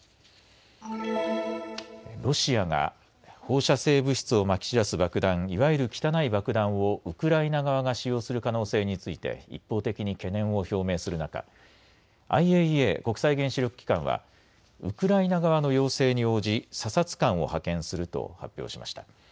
ロシアが放射性物質をまき散らす爆弾、いわゆる汚い爆弾をウクライナ側が使用する可能性について一方的に懸念を表明する中、ＩＡＥＡ・国際原子力機関はウクライナ側の要請に応じ査察官を派遣すると発表しました。